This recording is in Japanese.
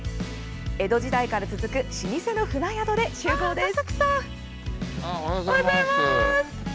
江戸時代から続く老舗の船宿で集合です。